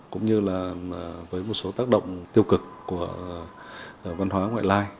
cũng như là với một số tác động tiêu cực của văn hóa ngoại lai